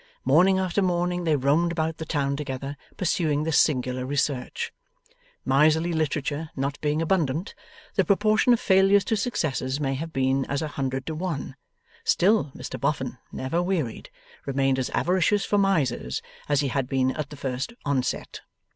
Morning after morning they roamed about the town together, pursuing this singular research. Miserly literature not being abundant, the proportion of failures to successes may have been as a hundred to one; still Mr Boffin, never wearied, remained as avaricious for misers as he had been at the first onset.